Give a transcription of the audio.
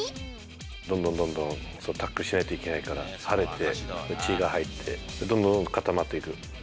どんどんどんどんタックルしないといけないから、腫れて血が入って、どんどんどんどん固まっていく。